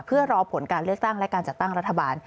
เพื่อรอผลการเลือกตั้งและการจัดตั้งรัฐบาล